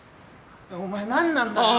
お前何なんだよ！